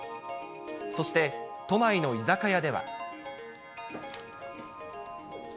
そして、都内の居酒屋では。